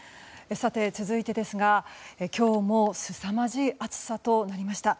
さて、続いてですが今日もすさまじい暑さとなりました。